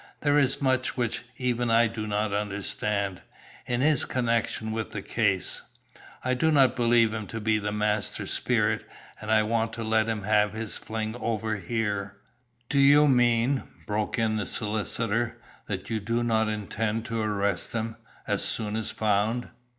There is much which even I do not understand, in his connection with the case. I do not believe him to be the master spirit, and I want to let him have his fling over here." "Do you mean," broke in the solicitor, "that you do not intend to arrest him, as soon as found?"